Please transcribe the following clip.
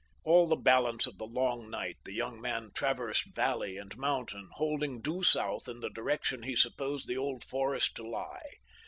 All the balance of the long night the young man traversed valley and mountain, holding due south in the direction he supposed the Old Forest to lie.